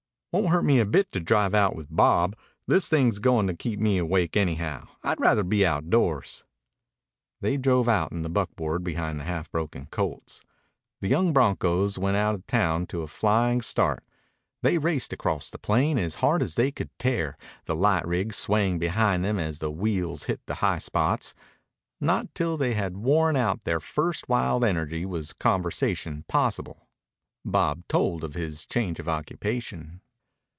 "Won't hurt me a bit to drive out with Bob. This thing's going to keep me awake anyhow. I'd rather be outdoors." They drove out in the buckboard behind the half broken colts. The young broncos went out of town to a flying start. They raced across the plain as hard as they could tear, the light rig swaying behind them as the wheels hit the high spots. Not till they had worn out their first wild energy was conversation possible. Bob told of his change of occupation.